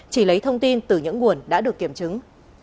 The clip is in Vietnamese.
chỉ lấy thông tin từ những nguồn đã được kiểm chứng